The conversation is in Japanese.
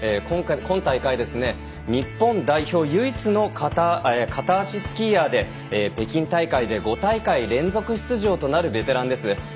今大会日本代表唯一の片足スキーヤーで北京大会で５大会連続出場となるベテランです。